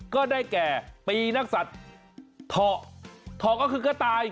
ก็ได้แก่ปีนักศัตริย์เถาะเถาะก็คือกระต่าย